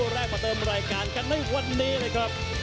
แรกมาเติมรายการกันในวันนี้นะครับ